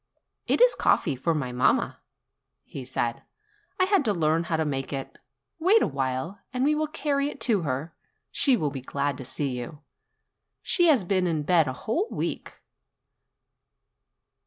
"It is coffee for mamma," he said; "I had to learn how to make it. Wait a while, and we will carry it to her; she will be glad to see you. She has been in bed a whole week.